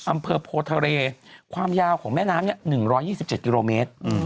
อำเภอโพทะเลความยาวของแม่น้ำ๑๒๗กิโลเมตร